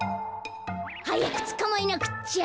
はやくつかまえなくっちゃ。